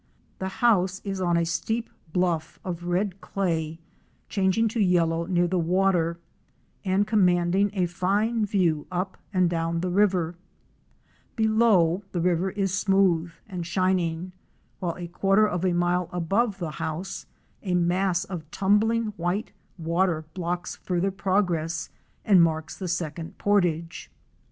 The house is on a steep bluff of red clay, changing to yellow near the water and commanding a fine view up and down the river. g, while a quarter of So) Below, the river is smooth and shinin a mile above the house a mass of tumbling white water blocks further progress and marks the second portage.